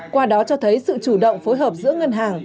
qua đó cho thấy sự chủ động phối hợp giữa ngân hàng